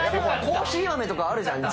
コーヒー豆とかあるじゃん。